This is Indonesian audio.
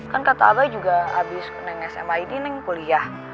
kan kata abai juga abis neng sma ini neng kuliah